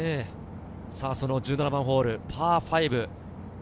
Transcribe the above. １７番ホール、パー５。